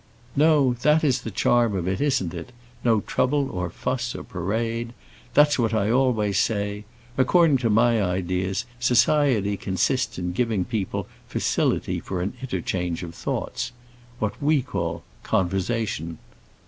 "No; that is the charm of it: isn't it? no trouble, or fuss, or parade. That's what I always say. According to my ideas, society consists in giving people facility for an interchange of thoughts what we call conversation."